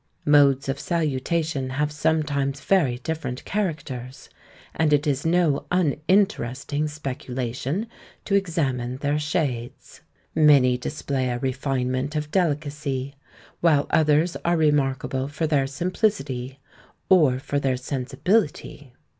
Modes of salutation have sometimes very different characters, and it is no uninteresting speculation to examine their shades. Many display a refinement of delicacy, while others are remarkable for their simplicity, or for their sensibility.